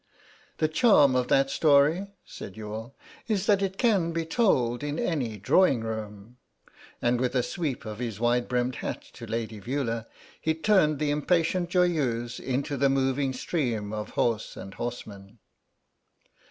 "The charm of that story," said Youghal, "is that it can be told in any drawing room." And with a sweep of his wide brimmed hat to Lady Veula he turned the impatient Joyeuse into the moving stream of horse and horsemen.